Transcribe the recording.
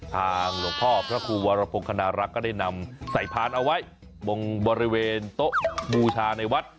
หลวงพ่อพระครูวรพงคณรักษ์ก็ได้นำใส่พานเอาไว้บนบริเวณโต๊ะบูชาในวัด